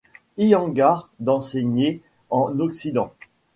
Iyengar d'enseigner en Occident.